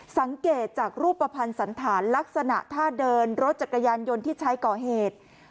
สังเกตจากรูปภัณฑ์สันฐานลักษณะท่าเดินรถจักรยานยนต์ที่ใช้ก่อเหตุ